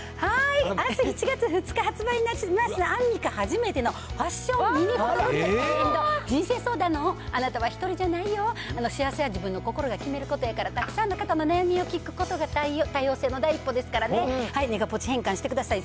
あす７月２日発売になります、アンミカ初めてのファッションミニフォトブック、人生相談の本、あなたは一人じゃないよ、幸せは自分の心が決めることやから、たくさんの人の悩みを聞くことが多様性の第一歩ですからね、ネガポジ変換してください。